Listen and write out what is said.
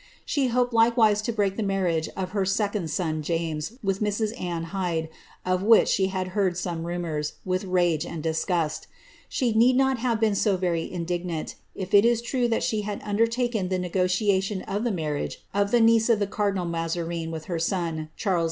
She hoped likewise to break he marriage of her second son James, with Mrs. Anne Hyde, of which he had heard some rumours, with rage and disgust. She need not have «en so very indignant, if it is true that she had undertaken the negotia ion of the marriage of the niece of cardinal Mazarine with her son, Jbaries II.